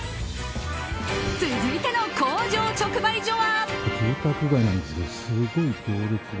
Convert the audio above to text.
続いての工場直売所は。